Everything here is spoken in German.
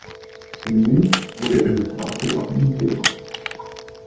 In Minsk wurde eine Straße nach ihm benannt.